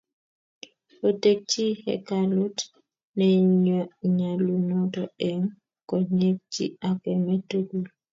Otekchi hekalut nenyalunot eng konyek chik ak emet tukul